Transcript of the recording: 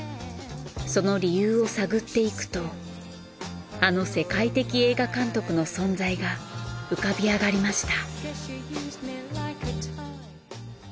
その理由を探っていくとあの世界的映画監督の存在が浮かび上がりました。